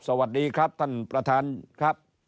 สวัสดีครับท่านประธานครับ